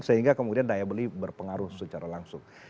sehingga kemudian daya beli berpengaruh secara langsung